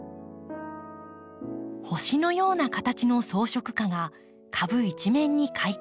星のような形の装飾花が株一面に開花。